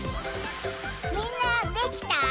みんなできた？